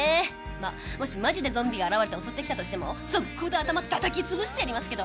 まあもしマジでゾンビが現れて襲ってきたとしてもソッコーで頭たたき潰してやりますけど。